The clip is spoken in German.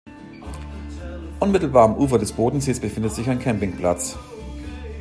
Unmittelbar am Ufer des Bodensees befindet sich ein Campingplatz.